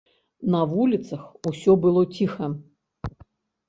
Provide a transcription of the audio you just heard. На вуліцах усё было ціха.